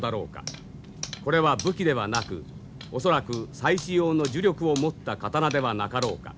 これは武器ではなく恐らく祭祀用の呪力を持った刀ではなかろうか。